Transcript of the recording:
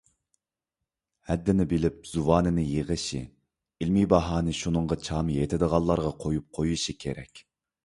ھەددىنى بىلىپ زۇۋانىنى يىغىشى، ئىلمىي باھانى شۇنىڭغا چامى يېتىدىغانلارغا قويۇپ قويۇشى كېرەك.